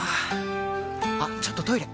あっちょっとトイレ！